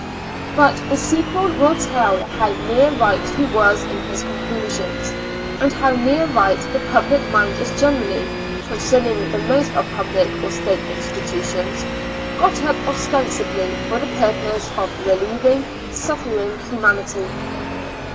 But the sequel will tell how near right he was in his conclusions, and how near right the public mind is generally, concerning the most of pubhc or State insti tutions, got up ostensibly for the purpose of reheving suf fering humanity.